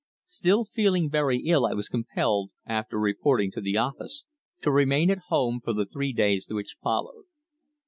Still feeling very ill, I was compelled after reporting to the office to remain at home for the three days which followed.